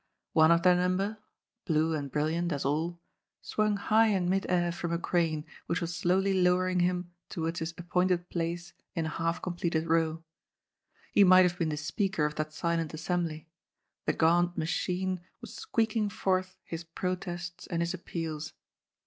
One of their number — blue and brilliant, as all — swung high in mid air from a crane which was slowly lowering him towards his appointed place in a half completed row. He might have been the speaker of that silent assembly ; the gaunt machine was squeaking forth his protests and his appeals.